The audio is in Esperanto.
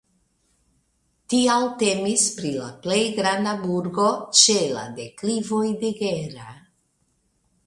Tial temis pri la plej granda burgo ĉe la deklivoj de Gera.